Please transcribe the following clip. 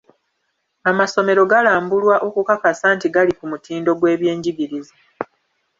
Amasomero galambulwa okukakasa nti gali ku mutindo gw'ebyenjigiriza.